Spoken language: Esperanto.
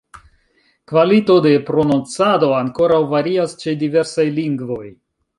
Kvalito de prononcado ankoraŭ varias ĉe diversaj lingvoj.